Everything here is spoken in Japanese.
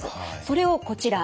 それをこちら。